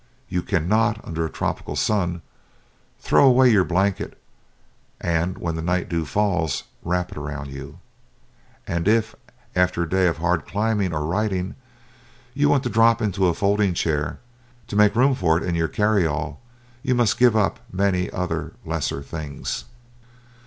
You cannot, under a tropical sun, throw away your blanket and when the night dew falls wrap it around you. And if, after a day of hard climbing or riding, you want to drop into a folding chair, to make room for it in your carry all you must give up many other lesser things.